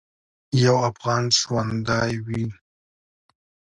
یو افغان ژوندی وي.